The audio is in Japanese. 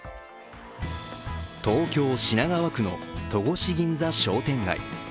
東京・品川区の戸越銀座商店街。